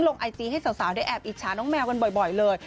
ไอจีให้สาวได้แอบอิจฉาน้องแมวกันบ่อยเลย